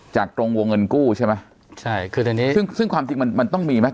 ตรงวงเงินกู้ใช่ไหมใช่คือตอนนี้ซึ่งซึ่งความจริงมันมันต้องมีไหม